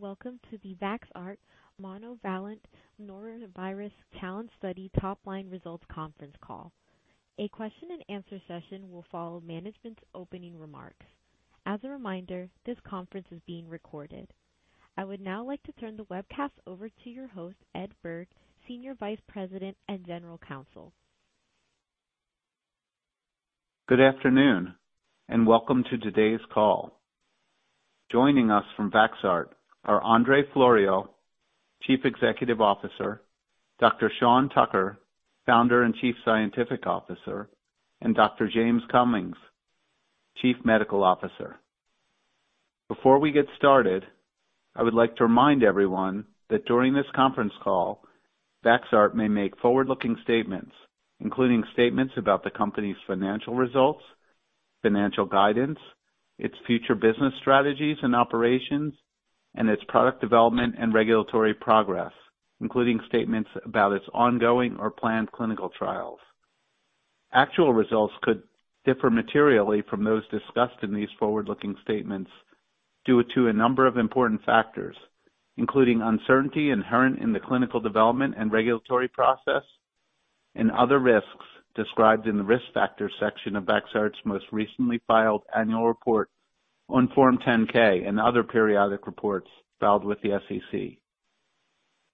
Greetings, and welcome to the Vaxart Monovalent Norovirus Challenge Study Top Line results conference call. A question and answer session will follow management's opening remarks. As a reminder, this conference is being recorded. I would now like to turn the webcast over to your host, Ed Burke, Senior Vice President and General Counsel. Good afternoon, and welcome to today's call. Joining us from Vaxart are Andrei Floroiu, Chief Executive Officer, Dr. Sean Tucker, Founder and Chief Scientific Officer, and Dr. James Cummings, Chief Medical Officer. Before we get started, I would like to remind everyone that during this conference call, Vaxart may make forward-looking statements, including statements about the company's financial results, financial guidance, its future business strategies and operations, and its product development and regulatory progress, including statements about its ongoing or planned clinical trials. Actual results could differ materially from those discussed in these forward-looking statements due to a number of important factors, including uncertainty inherent in the clinical development and regulatory process, and other risks described in the Risk Factors section of Vaxart's most recently filed annual report on Form 10-K and other periodic reports filed with the SEC.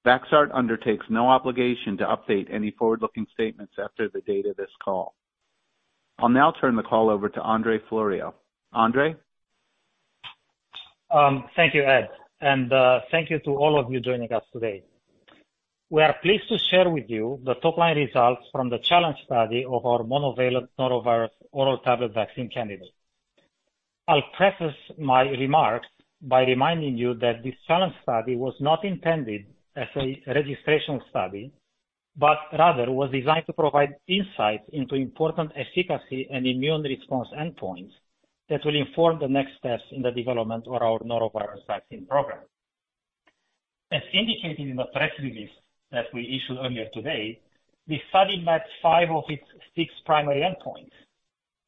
Vaxart undertakes no obligation to update any forward-looking statements after the date of this call. I'll now turn the call over to Andrei Floroiu. Andrei? Thank you, Ed, and thank you to all of you joining us today. We are pleased to share with you the top-line results from the challenge study of our monovalent norovirus oral tablet vaccine candidate. I'll preface my remarks by reminding you that this challenge study was not intended as a registrational study, but rather was designed to provide insight into important efficacy and immune response endpoints that will inform the next steps in the development of our norovirus vaccine program. As indicated in the press release that we issued earlier today, the study met five of its six primary endpoints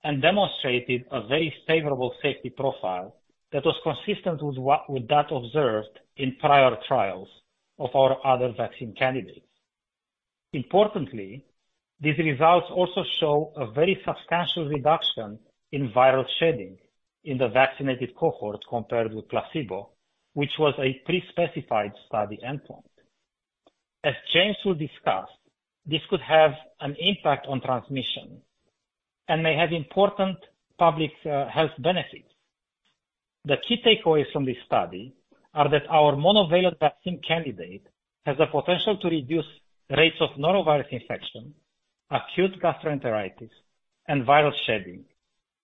and demonstrated a very favorable safety profile that was consistent with that observed in prior trials of our other vaccine candidates. Importantly, these results also show a very substantial reduction in viral shedding in the vaccinated cohort compared with placebo, which was a pre-specified study endpoint. As James will discuss, this could have an impact on transmission and may have important public health benefits. The key takeaways from this study are that our monovalent vaccine candidate has the potential to reduce rates of norovirus infection, acute gastroenteritis, and viral shedding,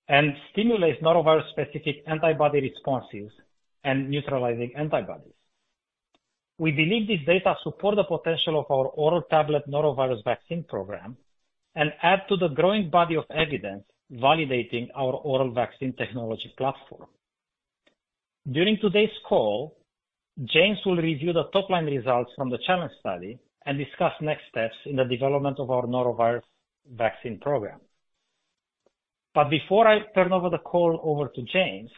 and stimulates norovirus-specific antibody responses and neutralizing antibodies. We believe these data support the potential of our oral tablet norovirus vaccine program and add to the growing body of evidence validating our oral vaccine technology platform. During today's call, James will review the top-line results from the challenge study and discuss next steps in the development of our norovirus vaccine program. But before I turn the call over to James,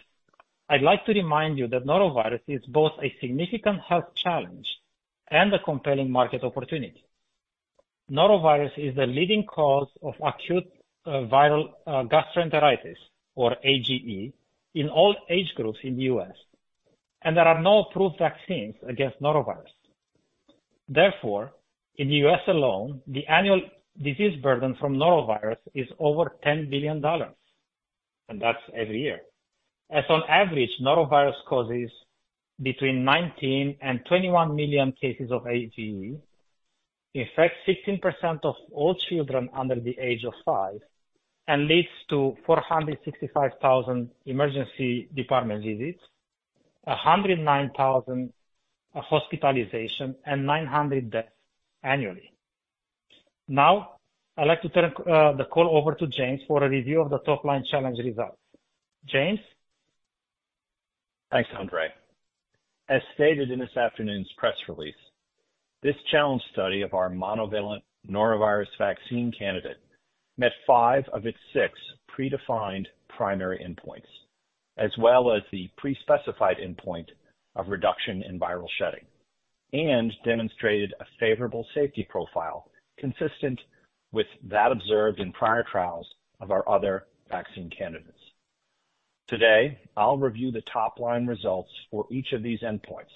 I'd like to remind you that norovirus is both a significant health challenge and a compelling market opportunity. Norovirus is the leading cause of acute viral gastroenteritis, or AGE, in all age groups in the U.S., and there are no approved vaccines against norovirus. Therefore, in the U.S. alone, the annual disease burden from norovirus is over $10 billion, and that's every year. And on average, norovirus causes between 19 and 21 million cases of AGE. In fact, 16% of all children under the age of five, and leads to 465,000 emergency department visits, 109,000 hospitalizations, and 900 deaths annually. Now, I'd like to turn the call over to James for a review of the top-line challenge results. James? Thanks, Andrei. As stated in this afternoon's press release, this challenge study of our monovalent norovirus vaccine candidate met five of its six predefined primary endpoints, as well as the pre-specified endpoint of reduction in viral shedding, and demonstrated a favorable safety profile consistent with that observed in prior trials of our other vaccine candidates. Today, I'll review the top-line results for each of these endpoints.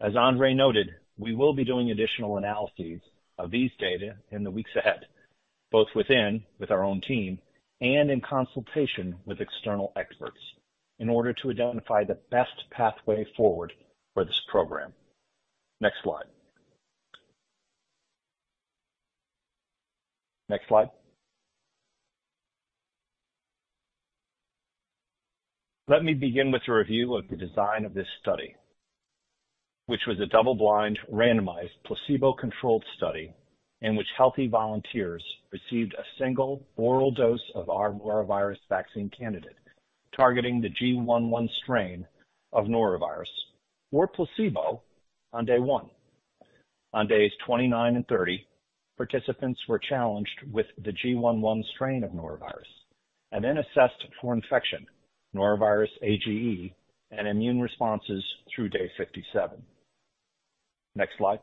As Andrei noted, we will be doing additional analyses of these data in the weeks ahead, both with our own team, and in consultation with external experts in order to identify the best pathway forward for this program. Next slide. Next slide. Let me begin with a review of the design of this study, which was a double-blind, randomized, placebo-controlled study in which healthy volunteers received a single oral dose of our norovirus vaccine candidate, targeting the GI.1 strain of norovirus, or placebo on day 1. On days 29 and 30, participants were challenged with the GI.1 strain of norovirus and then assessed for infection, norovirus AGE, and immune responses through day 57. Next slide.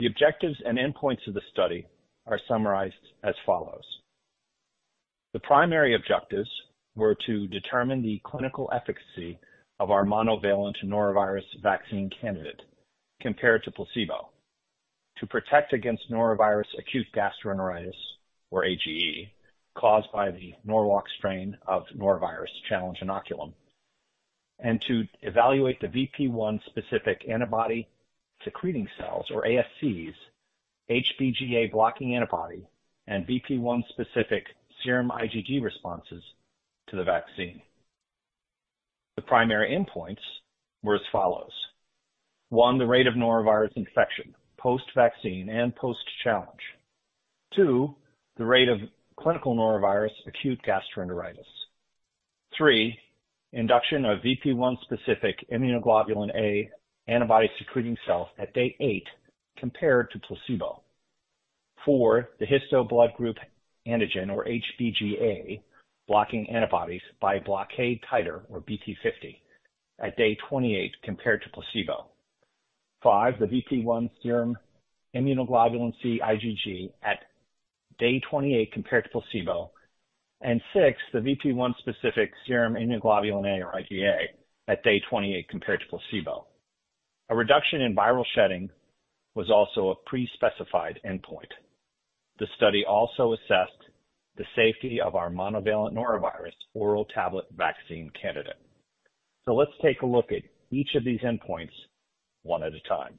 The objectives and endpoints of the study are summarized as follows: The primary objectives were to determine the clinical efficacy of our monovalent norovirus vaccine candidate compared to placebo, to protect against norovirus acute gastroenteritis, or AGE, caused by the Norwalk strain of norovirus challenge inoculum, and to evaluate the VP1 specific antibody-secreting cells, or ASCs, HBGA blocking antibody, and VP1 specific serum IgG responses to the vaccine. The primary endpoints were as follows. One, the rate of norovirus infection, post-vaccine and post-challenge. Two, the rate of clinical norovirus acute gastroenteritis. Three, induction of VP1 specific immunoglobulin A antibody-secreting cells at day eight compared to placebo. Four, the histo-blood group antigen, or HBGA, blocking antibodies by blockade titer, or BT50, at day 28 compared to placebo. Five, the VP1 serum immunoglobulin G, IgG, at day 28 compared to placebo. And Six, the VP1 specific serum immunoglobulin A, or IgA, at day 28 compared to placebo. A reduction in viral shedding was also a pre-specified endpoint. The study also assessed the safety of our monovalent norovirus oral tablet vaccine candidate. Let's take a look at each of these endpoints one at a time.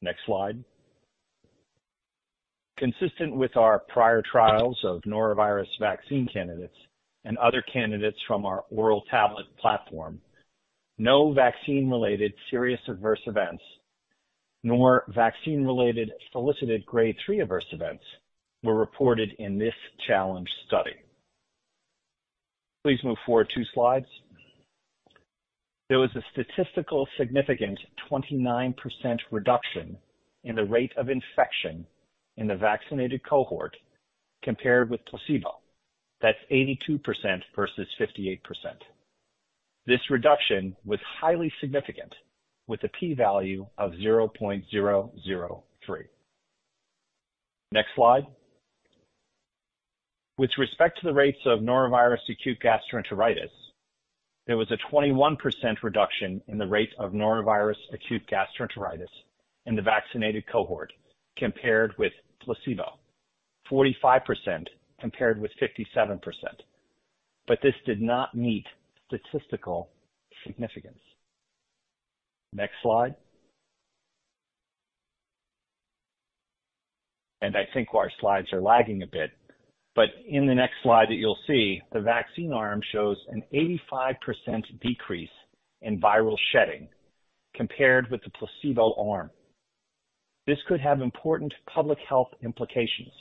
Next slide. Consistent with our prior trials of norovirus vaccine candidates and other candidates from our oral tablet platform, no vaccine-related serious adverse events, nor vaccine-related solicited grade three adverse events, were reported in this challenge study. Please move forward two slides. There was a statistically significant 29% reduction in the rate of infection in the vaccinated cohort compared with placebo. That's 82% versus 58%. This reduction was highly significant, with a P-value of 0.003. Next slide. With respect to the rates of norovirus acute gastroenteritis, there was a 21% reduction in the rate of norovirus acute gastroenteritis in the vaccinated cohort compared with placebo. 45% compared with 57%, but this did not meet statistical significance. Next slide. I think our slides are lagging a bit, but in the next slide that you'll see, the vaccine arm shows an 85% decrease in viral shedding compared with the placebo arm. This could have important public health implications,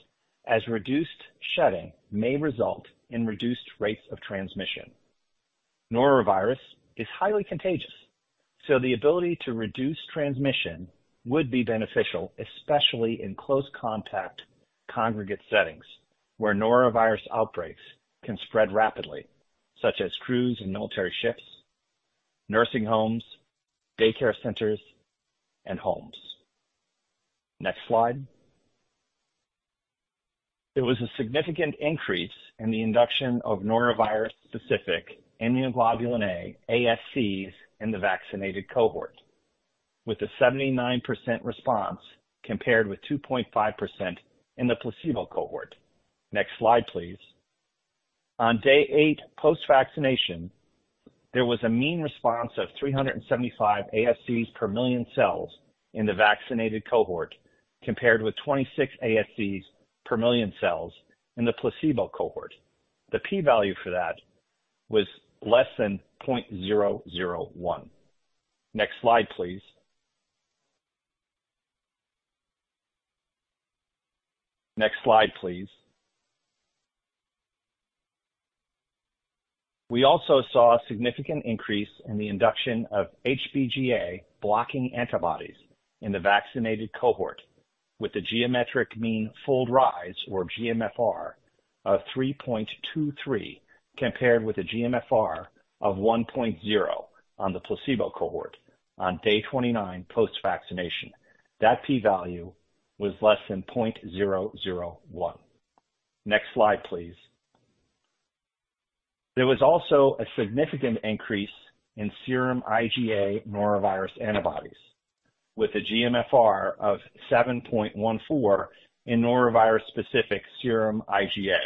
as reduced shedding may result in reduced rates of transmission. Norovirus is highly contagious, so the ability to reduce transmission would be beneficial, especially in close contact congregate settings, where norovirus outbreaks can spread rapidly, such as cruise and military ships, nursing homes, daycare centers, and homes. Next slide. There was a significant increase in the induction of norovirus-specific Immunoglobulin A, ASCs, in the vaccinated cohort, with a 79% response compared with 2.5% in the placebo cohort. Next slide, please. On day eight, post-vaccination, there was a mean response of 375 ASCs per million cells in the vaccinated cohort, compared with 26 ASCs per million cells in the placebo cohort. The P-value for that was less than 0.001. Next slide, please. Next slide, please. We also saw a significant increase in the induction of HBGA blocking antibodies in the vaccinated cohort, with the geometric mean fold rise, or GMFR, of 3.23, compared with a GMFR of 1.0 on the placebo cohort on day 29, post-vaccination. That P-value was less than 0.001. Next slide, please. There was also a significant increase in serum IgA norovirus antibodies, with a GMFR of 7.14 in norovirus-specific serum IgA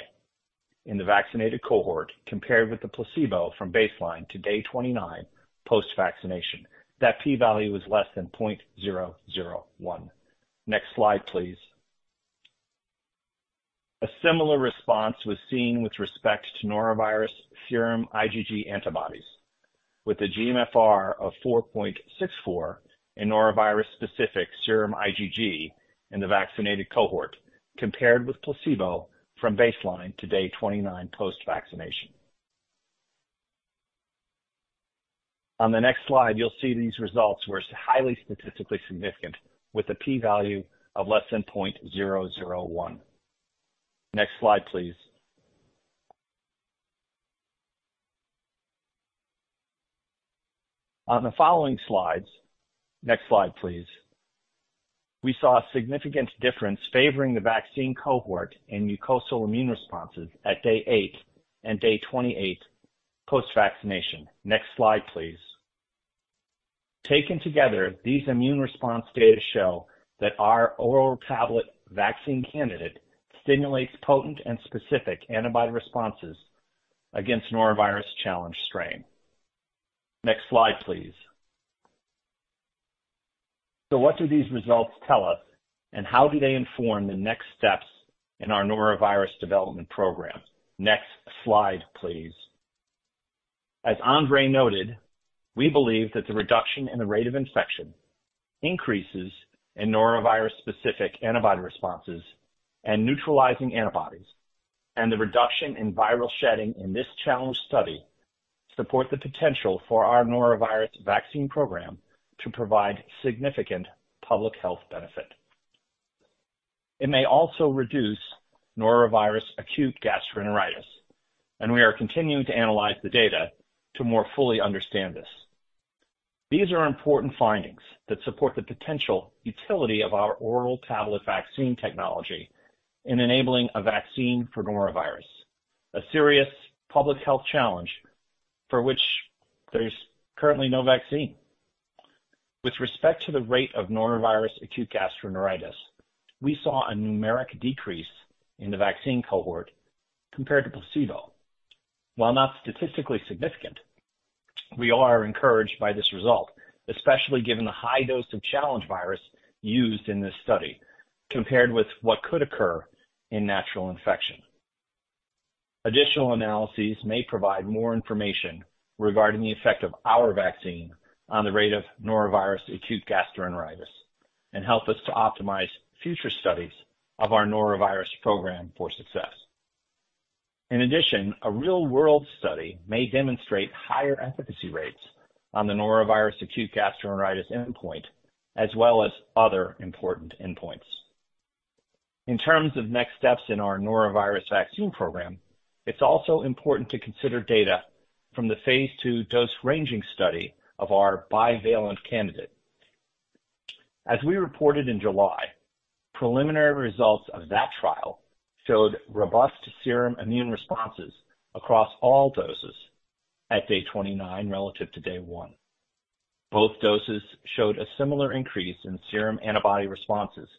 in the vaccinated cohort, compared with the placebo from baseline to day 29, post-vaccination. That P-value was less than 0.001. Next slide, please. A similar response was seen with respect to norovirus serum IgG antibodies, with a GMFR of 4.64 in norovirus-specific serum IgG in the vaccinated cohort compared with placebo from baseline to day 29 post-vaccination. On the next slide, you'll see these results were highly statistically significant, with a P-value of less than 0.001. Next slide, please. On the following slides, next slide please, we saw a significant difference favoring the vaccine cohort in mucosal immune responses at day eight and day 28 post-vaccination. Next slide, please. Taken together, these immune response data show that our oral tablet vaccine candidate stimulates potent and specific antibody responses against norovirus challenge strain. Next slide, please. So what do these results tell us, and how do they inform the next steps in our norovirus development program? Next slide, please. As Andrei noted, we believe that the reduction in the rate of infection increases in norovirus-specific antibody responses and neutralizing antibodies, and the reduction in viral shedding in this challenge study support the potential for our norovirus vaccine program to provide significant public health benefit. It may also reduce norovirus acute gastroenteritis, and we are continuing to analyze the data to more fully understand this. These are important findings that support the potential utility of our oral tablet vaccine technology in enabling a vaccine for norovirus, a serious public health challenge for which there's currently no vaccine. With respect to the rate of norovirus acute gastroenteritis, we saw a numeric decrease in the vaccine cohort compared to placebo. While not statistically significant, we are encouraged by this result, especially given the high dose of challenge virus used in this study compared with what could occur in natural infection. Additional analyses may provide more information regarding the effect of our vaccine on the rate of norovirus Acute Gastroenteritis, and help us to optimize future studies of our norovirus program for success. In addition, a real-world study may demonstrate higher efficacy rates on the norovirus Acute Gastroenteritis endpoint, as well as other important endpoints. In terms of next steps in our norovirus vaccine program, it's also important to consider data from the phase two dose-ranging study of our bivalent candidate. As we reported in July, preliminary results of that trial showed robust serum immune responses across all doses at day 29 relative to day one. Both doses showed a similar increase in serum antibody responses,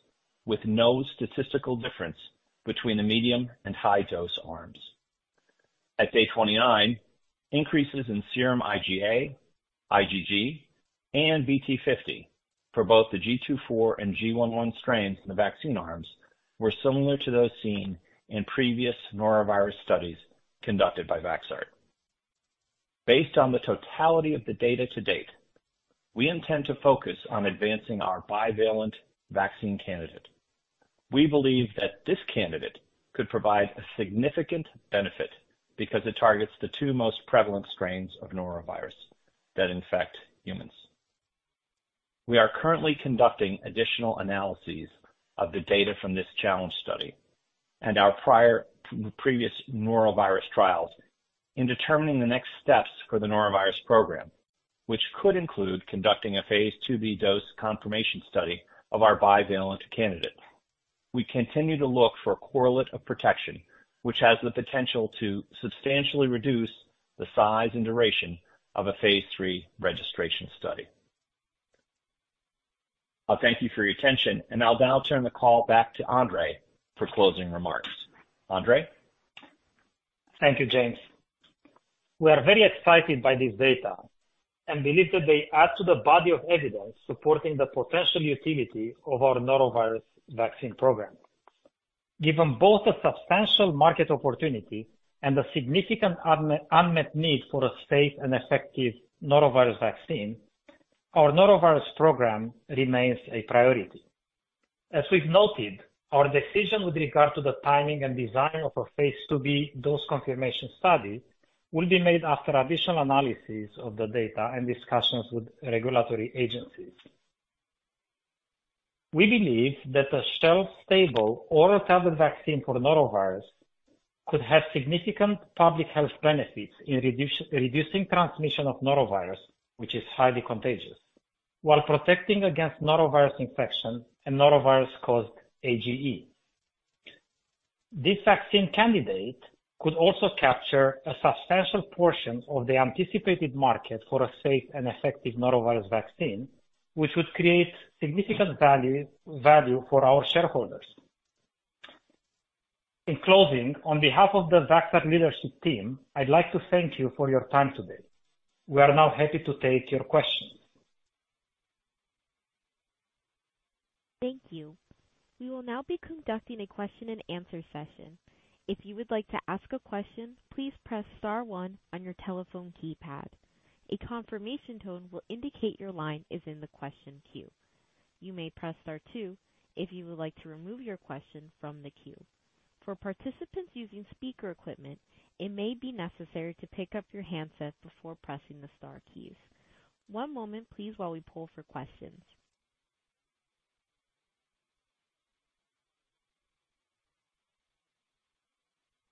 with no statistical difference between the medium and high-dose arms. At day 29, increases in serum IgA, IgG, and BT50 for both the GII.4 and GI.1 strains in the vaccine arms were similar to those seen in previous norovirus studies conducted by Vaxart. Based on the totality of the data to date, we intend to focus on advancing our bivalent vaccine candidate. We believe that this candidate could provide a significant benefit, because it targets the two most prevalent strains of norovirus that infect humans. We are currently conducting additional analyses of the data from this challenge study and our prior, previous norovirus trials in determining the next steps for the norovirus program, which could include conducting a phase 2b dose confirmation study of our bivalent candidate. We continue to look for a correlate of protection, which has the potential to substantially reduce the size and duration of a phase lll registration study. I thank you for your attention, and I'll now turn the call back to Andrei for closing remarks. Andrei? Thank you, James. We are very excited by this data and believe that they add to the body of evidence supporting the potential utility of our norovirus vaccine program. Given both the substantial market opportunity and the significant unmet need for a safe and effective norovirus vaccine, our norovirus program remains a priority. As we've noted, our decision with regard to the timing and design of a phase 2b dose confirmation study will be made after additional analysis of the data and discussions with regulatory agencies. We believe that a shelf-stable oral tablet vaccine for norovirus could have significant public health benefits in reducing transmission of norovirus, which is highly contagious, while protecting against norovirus infection and norovirus-caused AGE. This vaccine candidate could also capture a substantial portion of the anticipated market for a safe and effective norovirus vaccine, which would create significant value, value for our shareholders. In closing, on behalf of the Vaxart leadership team, I'd like to thank you for your time today. We are now happy to take your questions. Thank you. We will now be conducting a question and answer session. If you would like to ask a question, please press star one on your telephone keypad. A confirmation tone will indicate your line is in the question queue. You may press star two if you would like to remove your question from the queue. For participants using speaker equipment, it may be necessary to pick up your handset before pressing the star keys. One moment, please, while we pull for questions.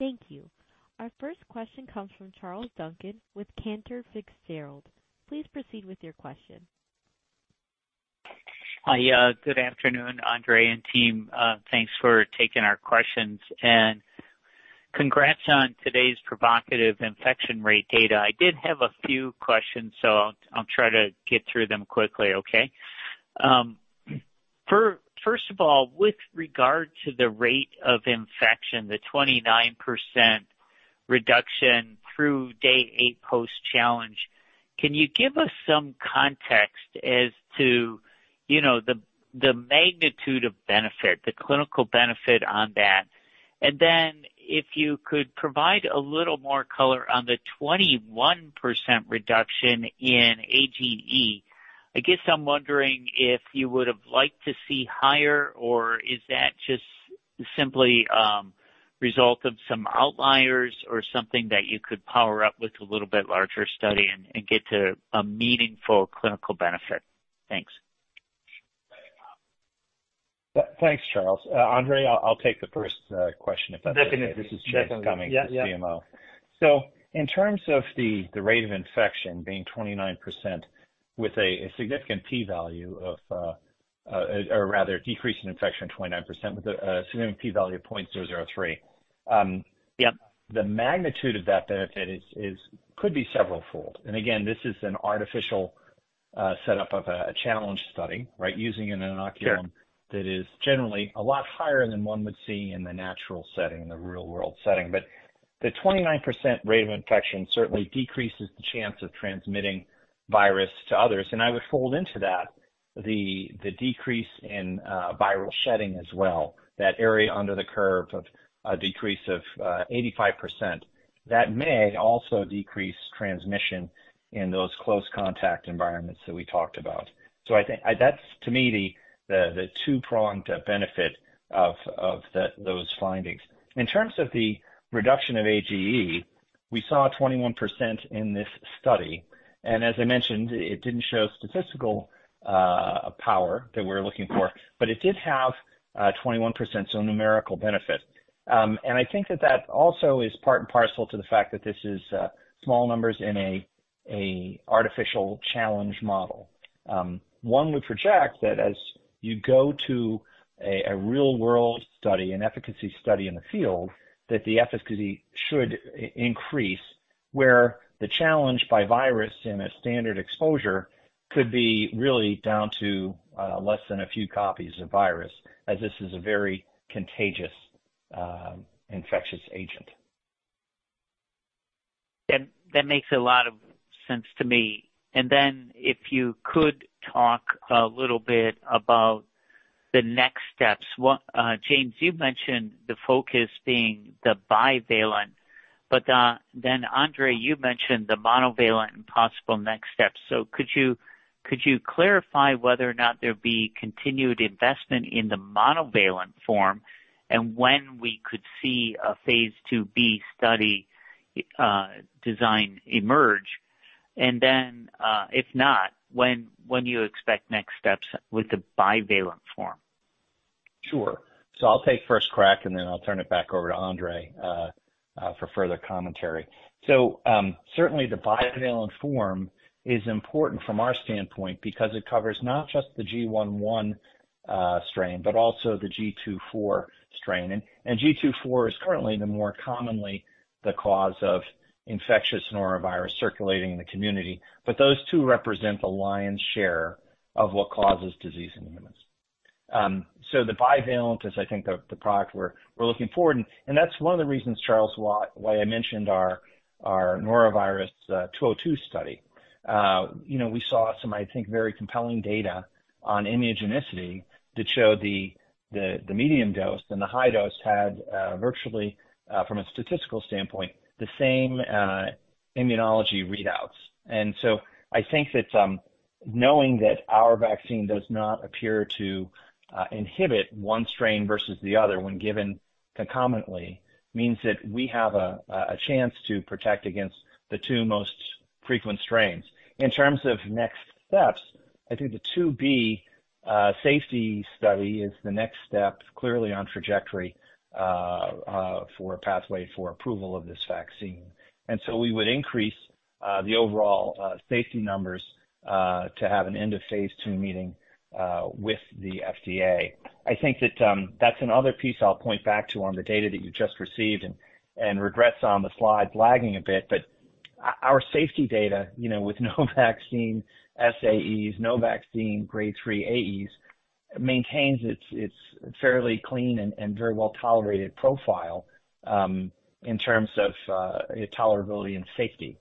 Thank you. Our first question comes from Charles Duncan with Cantor Fitzgerald. Please proceed with your question. Hi, good afternoon, Andrei and team. Thanks for taking our questions, and congrats on today's provocative infection rate data. I did have a few questions, so I'll try to get through them quickly, okay? First of all, with regard to the rate of infection, the 29% reduction through day eight post-challenge, can you give us some context as to, you know, the magnitude of benefit, the clinical benefit on that? And then if you could provide a little more color on the 21% reduction in AGE. I guess I'm wondering if you would have liked to see higher, or is that just simply result of some outliers or something that you could power up with a little bit larger study and get to a meaningful clinical benefit? Thanks. Thanks, Charles. Andre, I'll take the first question, if that's okay. Definitely. This is James Cummings, CMO. So in terms of the rate of infection being 29% with a significant P-value of, or rather decrease in infection, 29%, with a significant P-value of 0.003. Yep. The magnitude of that benefit is could be severalfold. And again, this is an artificial setup of a challenge study, right? Using an inoculum- Sure. that is generally a lot higher than one would see in the natural setting, the real-world setting. But the 29% rate of infection certainly decreases the chance of transmitting virus to others. And I would fold into that, the, the decrease in viral shedding as well. That area under the curve of a decrease of eighty-five percent. That may also decrease transmission in those close contact environments that we talked about. So I think, that's, to me, the, the, the two-pronged benefit of, of the, those findings. In terms of the reduction of AGE, we saw 21% in this study, and as I mentioned, it didn't show statistical power that we're looking for, but it did have twenty-one percent, so a numerical benefit. And I think that that also is part and parcel to the fact that this is small numbers in an artificial challenge model. One would project that as you go to a real-world study, an efficacy study in the field, that the efficacy should increase, where the challenge by virus in a standard exposure could be really down to less than a few copies of virus, as this is a very contagious infectious agent. That makes a lot of sense to me. And then if you could talk a little bit about the next steps. What, James, you've mentioned the focus being the bivalent, but then Andrei, you mentioned the monovalent and possible next steps. So could you clarify whether or not there'll be continued investment in the monovalent form, and when we could see a phase 2b study design emerge? And then, if not, when do you expect next steps with the bivalent form? Sure. So I'll take first crack, and then I'll turn it back over to Andrei for further commentary. So, certainly the bivalent form is important from our standpoint because it covers not just the GI.1 strain, but also the GII.4 strain. And GII.4 is currently the more commonly the cause of infectious norovirus circulating in the community, but those two represent the lion's share of what causes disease in humans. So the bivalent is, I think, the product we're looking for, and that's one of the reasons, Charles, why I mentioned our Norovirus 202 study. You know, we saw some, I think, very compelling data on immunogenicity that showed the medium dose and the high dose had virtually, from a statistical standpoint, the same immunology readouts. And so I think that, knowing that our vaccine does not appear to inhibit one strain versus the other when given concomitantly, means that we have a chance to protect against the two most frequent strains. In terms of next steps, I think the 2b safety study is the next step, clearly on trajectory, for a pathway for approval of this vaccine. And so we would increase the overall safety numbers to have an end-of-phase-two meeting with the FDA. I think that, that's another piece I'll point back to on the data that you just received, and regrets on the slide lagging a bit. But our safety data, you know, with no vaccine SAEs, no vaccine grade three AEs, maintains its fairly clean and very well-tolerated profile, in terms of tolerability and safety.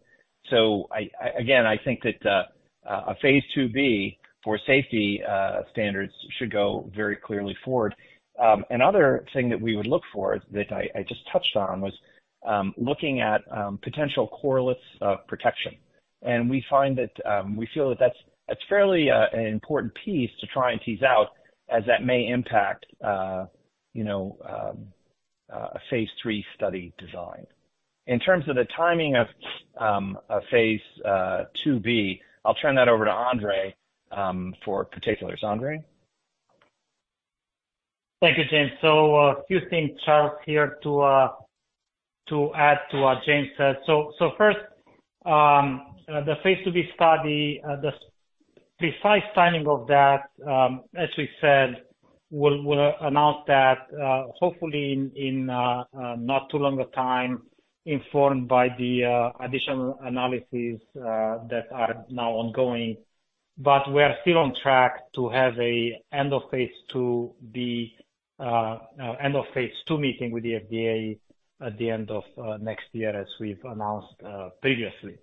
So I, again, I think that a Phase 2b for safety standards should go very clearly forward. Another thing that we would look for that I just touched on was looking at potential correlates of protection. And we find that we feel that that's it's fairly an important piece to try and tease out, as that may impact, you know, a phase lll study design. In terms of the timing of a phase 2b, I'll turn that over to Andrei for particulars. Andrei? Thank you, James. So a few things, Charles, here to add to what James said. So first, the Phase 2b study, the precise timing of that, as we said, we'll announce that, hopefully in not too long a time, informed by the additional analyses that are now ongoing. But we are still on track to have an end-of-Phase 2b end-of-Phase ll meeting with the FDA at the end of next year, as we've announced previously.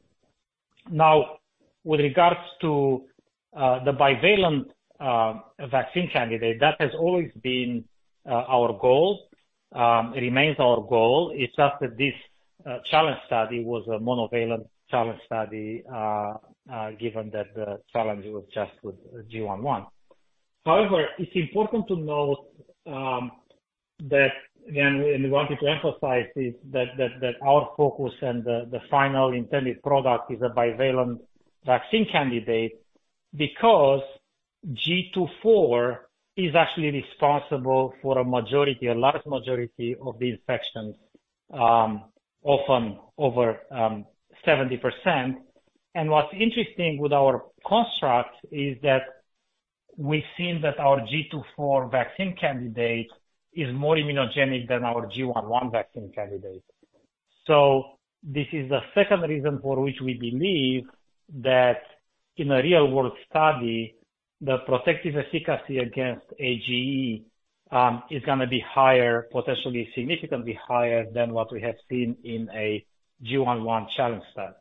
Now, with regards to the bivalent vaccine candidate, that has always been our goal. It remains our goal. It's just that this challenge study was a monovalent challenge study, given that the challenge was just with GI.1. However, it's important to note that, again, and we wanted to emphasize this, that our focus and the final intended product is a bivalent vaccine candidate, because GII.4 is actually responsible for a majority, a large majority of the infections, often over 70%. And what's interesting with our construct is that we've seen that our GII.4 vaccine candidate is more immunogenic than our GI.1 vaccine candidate. So this is the second reason for which we believe that in a real world study, the protective efficacy against AGE is gonna be higher, potentially significantly higher than what we have seen in a GI.1 challenge study.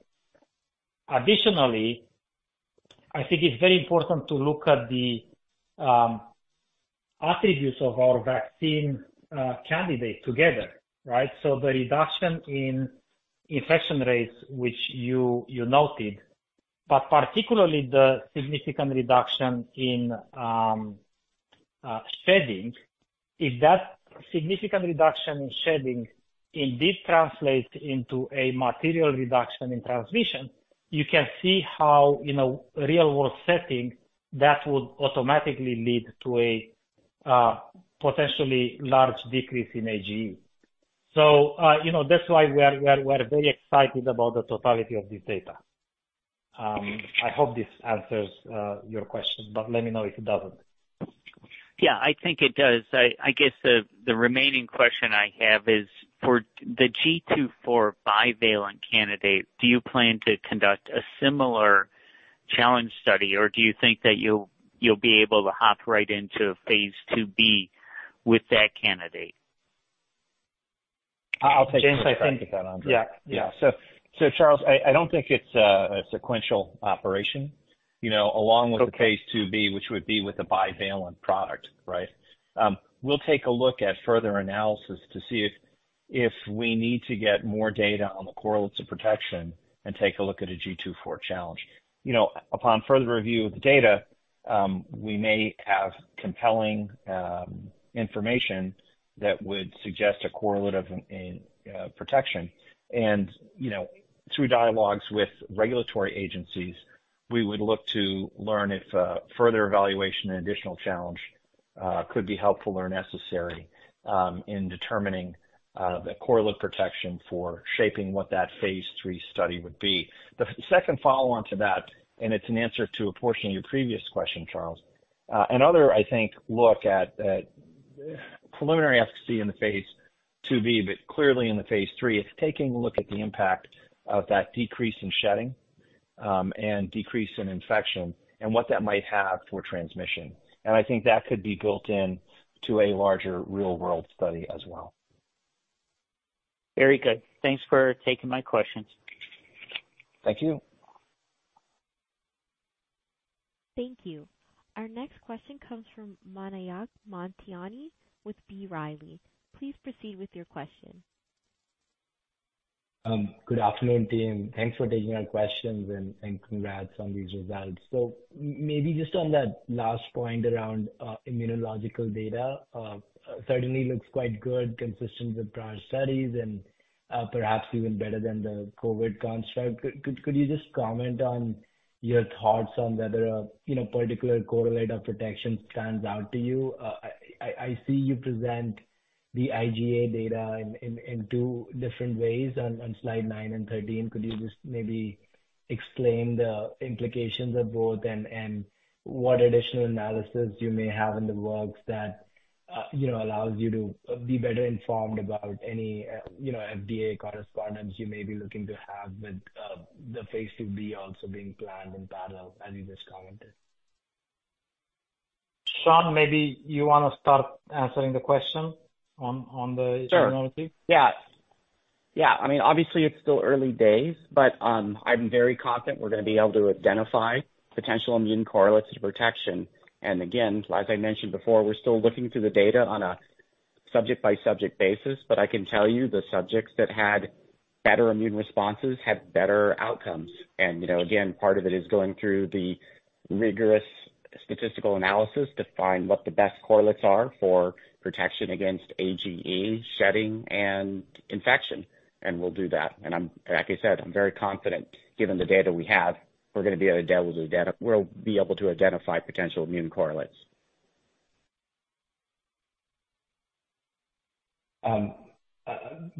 Additionally, I think it's very important to look at the attributes of our vaccine candidate together, right? So the reduction in infection rates, which you, you noted, but particularly the significant reduction in shedding, if that significant reduction in shedding indeed translates into a material reduction in transmission, you can see how, in a real-world setting, that would automatically lead to a potentially large decrease in AGE. So, you know, that's why we are, we are, we're very excited about the totality of this data. I hope this answers your question, but let me know if it doesn't. Yeah, I think it does. I guess the remaining question I have is for the GII.4 bivalent candidate, do you plan to conduct a similar challenge study, or do you think that you'll be able to hop right into a phase 2b with that candidate? I'll take a crack at that, Andrei. Yeah. Yeah. So, Charles, I don't think it's a sequential operation, you know, along with- Okay The Phase 2b, which would be with a bivalent product, right? We'll take a look at further analysis to see if we need to get more data on the correlates of protection and take a look at a GII.4 challenge. You know, upon further review of the data, we may have compelling information that would suggest a correlate of protection. And, you know, through dialogues with regulatory agencies, we would look to learn if further evaluation and additional challenge could be helpful or necessary in determining the correlate of protection for shaping what that phase lll study would be. The second follow-on to that, and it's an answer to a portion of your previous question, Charles. Another look at preliminary efficacy in the phase 2b, but clearly in the phase lll is taking a look at the impact of that decrease in shedding, and decrease in infection, and what that might have for transmission. I think that could be built in to a larger real-world study as well. Very good. Thanks for taking my questions. Thank you. Thank you. Our next question comes from Mayank Mamtani with B. Riley. Please proceed with your question. Good afternoon, team. Thanks for taking our questions, and congrats on these results. So maybe just on that last point around immunological data, certainly looks quite good, consistent with prior studies and perhaps even better than the COVID construct. Could you just comment on your thoughts on whether a particular correlate of protection stands out to you? I see you present the IgA data in two different ways on slide nine and 13. Could you just maybe explain the implications of both and what additional analysis you may have in the works that allows you to be better informed about any FDA correspondence you may be looking to have with the phase 2b also being planned in parallel, as you just commented? Sean, maybe you want to start answering the question on the immunology? Sure. Yeah. I mean, obviously it's still early days, but I'm very confident we're gonna be able to identify potential immune correlates to protection. And again, as I mentioned before, we're still looking through the data on a subject by subject basis, but I can tell you the subjects that had better immune responses had better outcomes. And, you know, again, part of it is going through the rigorous statistical analysis to find what the best correlates are for protection against AGE shedding and infection. And we'll do that. And I'm like I said, I'm very confident, given the data we have, we're going to be able to identify, we'll be able to identify potential immune correlates.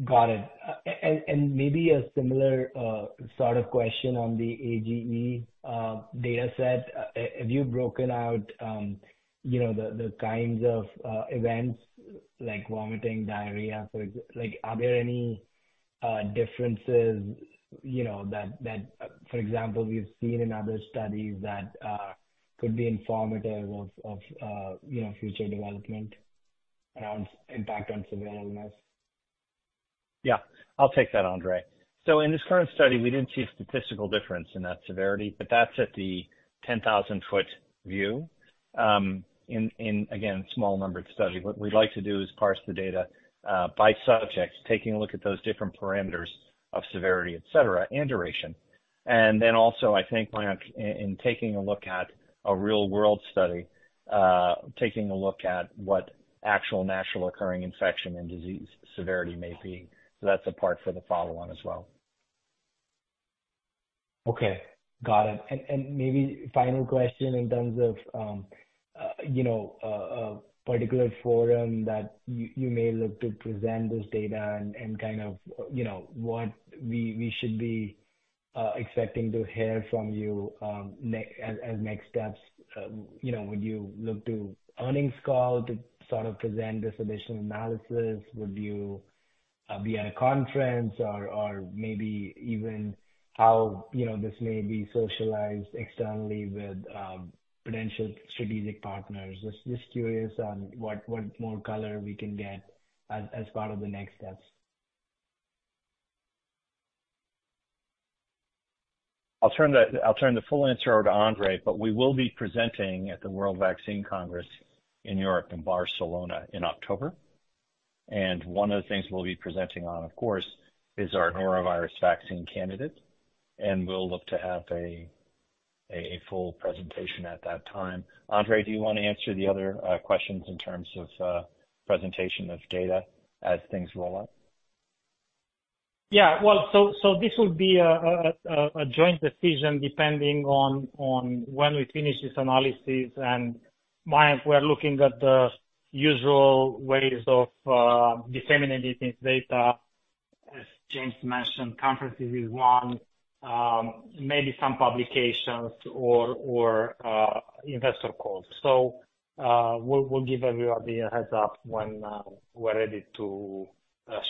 Got it. And maybe a similar sort of question on the AGE data set. Have you broken out, you know, the kinds of events like vomiting, diarrhea? Like, are there any differences, you know, that for example we've seen in other studies that could be informative of you know future development around impact on surveillance? Yeah. I'll take that, Andrei. So in this current study, we didn't see a statistical difference in that severity, but that's at the 10,000-foot view. In again, small-numbered study. What we'd like to do is parse the data, by subject, taking a look at those different parameters of severity, et cetera, and duration. And then also, I think, in taking a look at a real-world study, taking a look at what actual natural occurring infection and disease severity may be. So that's a part for the follow-on as well. Okay, got it. Maybe final question in terms of, you know, a particular forum that you may look to present this data and kind of, you know, what we should be expecting to hear from you as next steps. You know, would you look to earnings call to sort of present this additional analysis? Would you be at a conference or maybe even how, you know, this may be socialized externally with potential strategic partners? Just curious on what more color we can get as part of the next steps. I'll turn the full answer over to Andrei, but we will be presenting at the World Vaccine Congress in Europe, in Barcelona, in October. And one of the things we'll be presenting on, of course, is our norovirus vaccine candidate, and we'll look to have a full presentation at that time. Andrei, do you want to answer the other questions in terms of presentation of data as things roll out? Yeah. Well, this will be a joint decision depending on when we finish this analysis and we're looking at the usual ways of disseminating this data. As James mentioned, conferences is one, maybe some publications or investor calls. We'll give everybody a heads up when we're ready to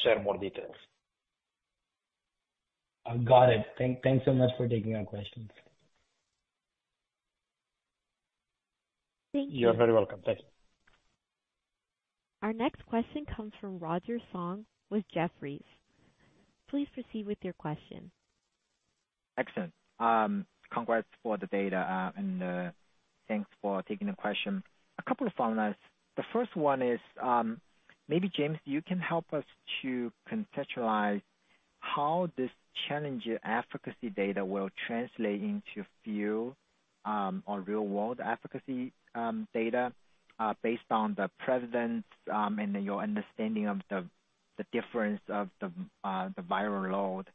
share more details. I've got it. Thanks so much for taking our questions. Thank you. You're very welcome. Thanks. Our next question comes from Roger Song with Jefferies. Please proceed with your question. Excellent. Congrats for the data, and thanks for taking the question. A couple of follow-ups. The first one is, maybe, James, you can help us to conceptualize how this challenge efficacy data will translate into field or real world efficacy data, based on the prevalence, and your understanding of the difference of the viral load.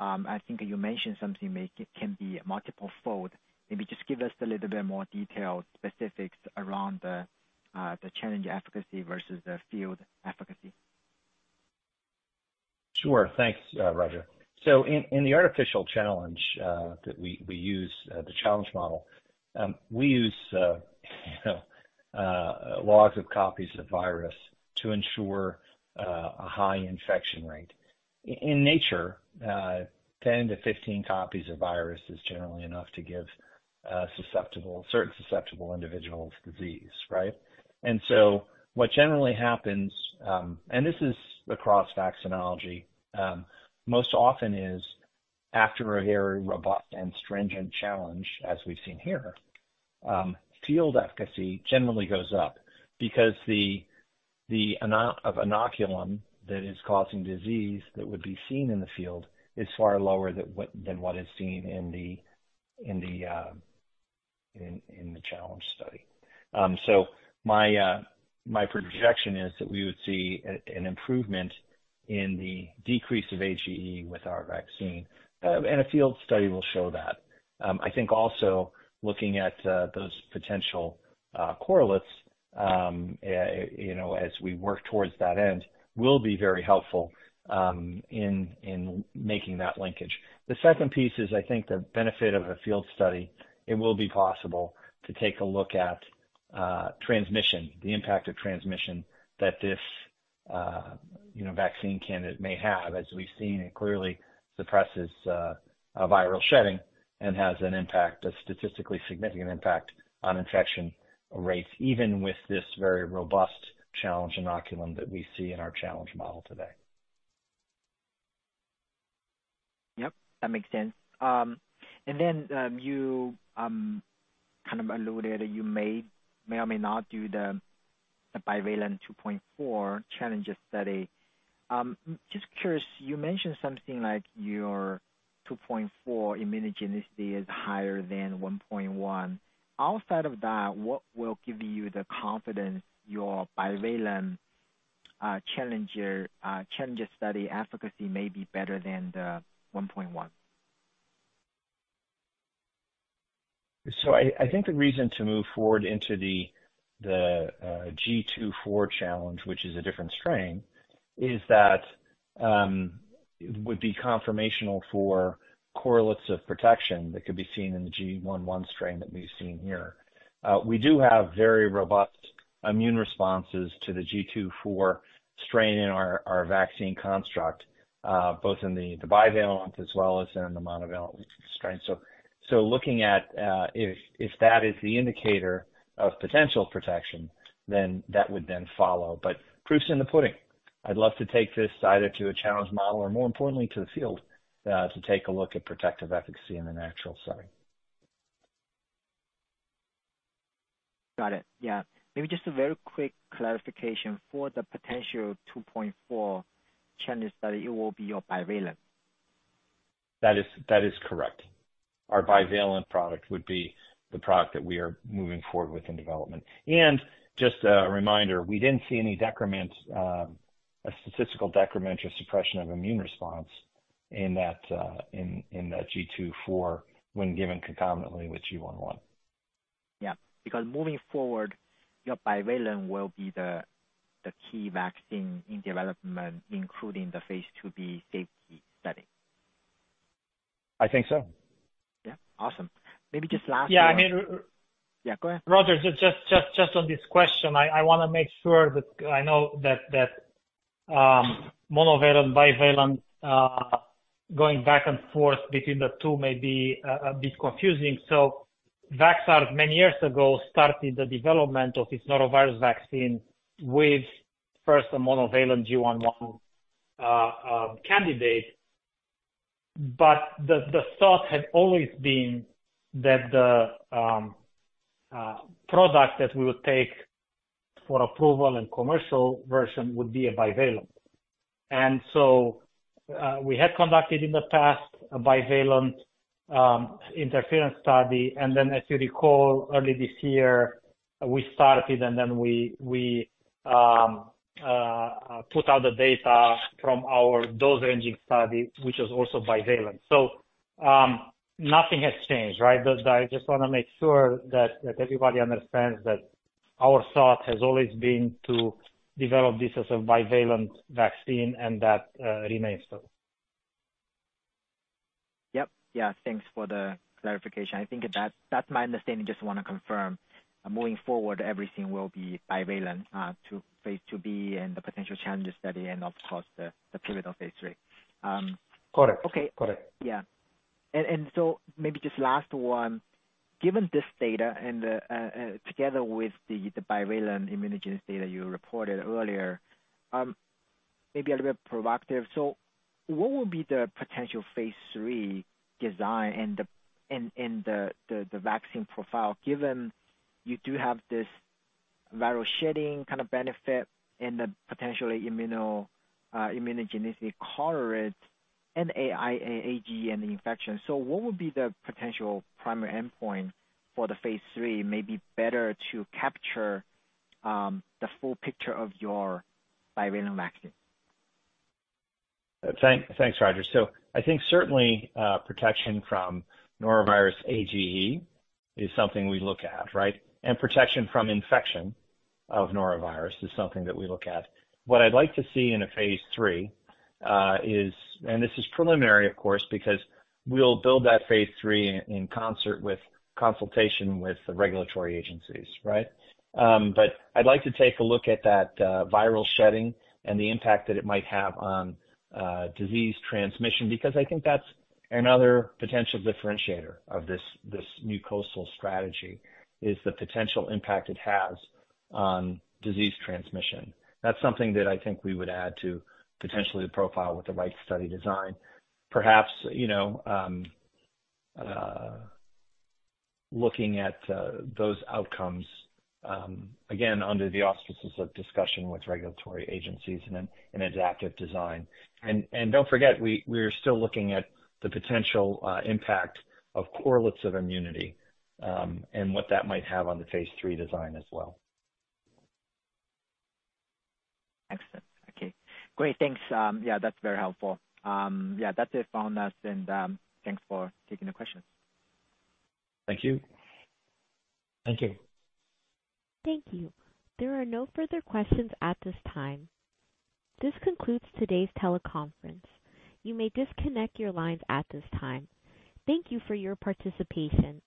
I think you mentioned something, maybe, can be multiple fold. Maybe just give us a little bit more detail, specifics around the challenge efficacy versus the field efficacy. Sure. Thanks, Roger. So in the artificial challenge that we use the challenge model we use logs of copies of virus to ensure a high infection rate. In nature, 10-15 copies of virus is generally enough to give susceptible certain susceptible individuals disease, right? And so what generally happens, and this is across vaccinology, most often is after a very robust and stringent challenge, as we've seen here, field efficacy generally goes up because the amount of inoculum that is causing disease that would be seen in the field is far lower than what is seen in the challenge study. So my projection is that we would see an improvement in the decrease of AGE with our vaccine, and a field study will show that. I think also looking at those potential correlates, you know, as we work towards that end, will be very helpful in making that linkage. The second piece is, I think, the benefit of a field study. It will be possible to take a look at transmission, the impact of transmission that this, you know, vaccine candidate may have. As we've seen, it clearly suppresses a viral shedding and has an impact, a statistically significant impact on infection rates, even with this very robust challenge inoculum that we see in our challenge model today. Yep, that makes sense. And then, you kind of alluded that you may or may not do the bivalent 2.4 challenge study. Just curious, you mentioned something like your 2.4 immunogenicity is higher than 1.1. Outside of that, what will give you the confidence your bivalent challenge study efficacy may be better than the 1.1? I think the reason to move forward into the GII.4 challenge, which is a different strain, is that it would be confirmatory for correlates of protection that could be seen in the GI.1 strain that we've seen here. We do have very robust immune responses to the GII.4 strain in our vaccine construct, both in the bivalent as well as in the monovalent strain. Looking at if that is the indicator of potential protection, then that would then follow. But proof's in the pudding. I'd love to take this either to a challenge model or more importantly, to the field, to take a look at protective efficacy in the natural setting. Got it. Yeah. Maybe just a very quick clarification. For the potential GII.4 challenge study, it will be your bivalent? That is, that is correct. Our bivalent product would be the product that we are moving forward with in development. And just a reminder, we didn't see any decrement, a statistical decrement or suppression of immune response in that GII.4, when given concomitantly with GI.1. Yeah, because moving forward, your Bivalent will be the key vaccine in development, including the Phase 2b safety study. I think so. Yeah. Awesome. Maybe just last- Yeah, I mean- Yeah, go ahead. Roger, just on this question, I wanna make sure that I know that monovalent, bivalent, going back and forth between the two may be a bit confusing. So Vaxart, many years ago, started the development of this norovirus vaccine with first, a monovalent GI.1 candidate. But the thought had always been that the product that we would take for approval and commercial version would be a bivalent. And so, we had conducted in the past a bivalent interference study. And then, as you recall, early this year, we started, and then we put out the data from our dose ranging study, which is also bivalent. So, nothing has changed, right? I just wanna make sure that everybody understands that our thought has always been to develop this as a bivalent vaccine, and that remains so. Yep. Yeah, thanks for the clarification. I think that's, that's my understanding. Just wanna confirm, moving forward, everything will be bivalent to phase 2b and the potential challenge study and of course, the pivotal phase lll. Correct. Okay. Correct. Yeah. And so maybe just last one. Given this data and, together with the bivalent immunogenicity that you reported earlier, maybe a little bit provocative. So what would be the potential phase lll design and the vaccine profile, given you do have this viral shedding kind of benefit and the potentially immunogenicity correlate and IgA, AGE, and the infection. So what would be the potential primary endpoint for the phase lll? Maybe better to capture the full picture of your bivalent vaccine. Thanks, Roger. So I think certainly, protection from norovirus AGE is something we look at, right? And protection from infection of norovirus is something that we look at. What I'd like to see in a phase lll, is, and this is preliminary, of course, because we'll build that phase lll in concert with consultation with the regulatory agencies, right? But I'd like to take a look at that, viral shedding and the impact that it might have on, disease transmission, because I think that's another potential differentiator of this, this new oral strategy, is the potential impact it has on disease transmission. That's something that I think we would add to potentially the profile with the right study design. Perhaps, you know, looking at, those outcomes, again, under the auspices of discussion with regulatory agencies and an adaptive design. Don't forget, we're still looking at the potential impact of correlates of immunity, and what that might have on the phase lll design as well. Excellent. Okay, great. Thanks. Yeah, that's very helpful. Yeah, that's it on us, and thanks for taking the question. Thank you. Thank you. Thank you. There are no further questions at this time. This concludes today's teleconference. You may disconnect your lines at this time. Thank you for your participation.